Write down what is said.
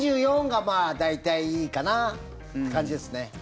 ２４が大体いいかなって感じですね。